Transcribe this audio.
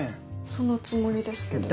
そのつもりですけど。